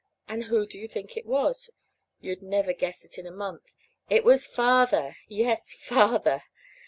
And who do you think it was? You'd never guess it in a month. It was Father. Yes, FATHER!